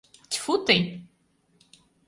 Тьфу, тый!